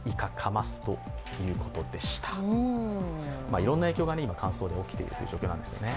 いろんな影響が今、乾燥で起きているという状況なんですよね。